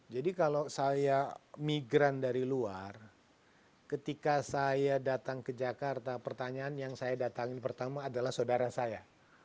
jadi kalau saya migran dari luar ketika saya datang ke jakarta pertanyaan yang saya datangin pertama adalah saudara saya